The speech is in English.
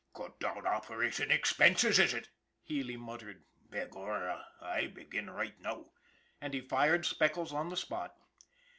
" Cut down operatin' expinses, is ut? " Healy mut tered. " Begorra, I'll begin right now !" And he fired Speckles on the spot.